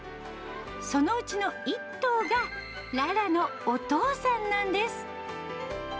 そのうちの１頭が、ララのお父さんなんです。